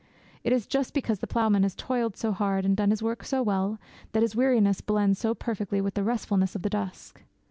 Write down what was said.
It is just because the ploughman has toiled so hard, and done his work so well, that his weariness blends so perfectly with the restfulness of the dusk.